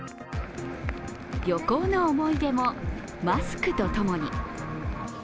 旅行の思い出もマスクと共に。